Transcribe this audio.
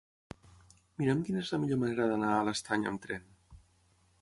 Mira'm quina és la millor manera d'anar a l'Estany amb tren.